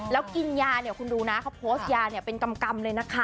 แล้วกินยาเนี่ยคุณดูนะเขาโพสต์ยาเนี่ยเป็นกำเลยนะคะ